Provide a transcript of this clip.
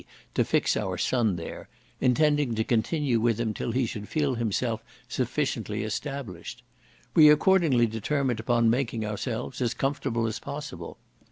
to fix our son there, intending to continue with him till he should feel himself sufficiently established. We accordingly determined upon making ourselves as comfortable as possible.